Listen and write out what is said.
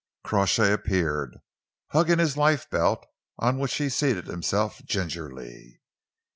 Crawshay appeared, hugging his lifebelt, on which he seated himself gingerly.